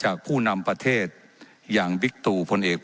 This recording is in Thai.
ว่าการกระทรวงบาทไทยนะครับ